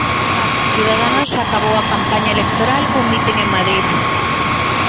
Ciudadanos acabou a campaña electoral cun mitin en Madrid.